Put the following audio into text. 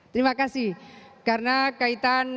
terima kasih karena kaitan